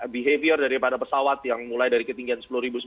behavior daripada pesawat yang mulai dari ketinggian sepuluh sembilan ratus